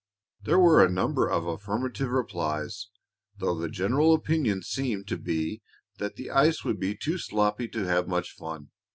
There were a number of affirmative replies, though the general opinion seemed to be that the ice would be too sloppy to have much fun.